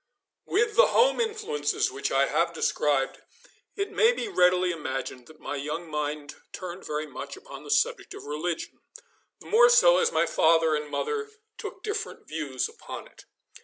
With the home influences which I have described, it may be readily imagined that my young mind turned very much upon the subject of religion, the more so as my father and mother took different views upon it.